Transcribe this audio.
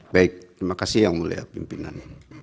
baik terima kasih yang mulia pimpinan